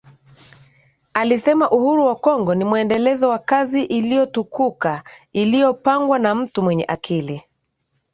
Alisema Uhuru wa Kongo ni mwendelezo wa kazi iliyotukuka iliyopangwa na mtu mwenye akili